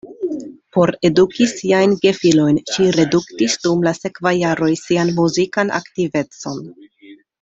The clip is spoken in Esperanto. Por eduki siajn gefilojn ŝi reduktis dum la sekvaj jaroj sian muzikan aktivecon.